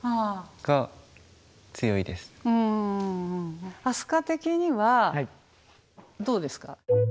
うんあすか的にはどうですか？